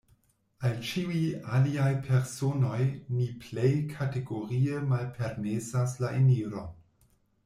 Al ĉiuj aliaj personoj ni plej kategorie malpermesas la eniron.